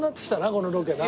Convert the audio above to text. このロケな。